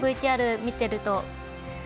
このＶＴＲ、見てると。